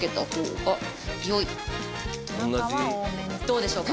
どうでしょうか？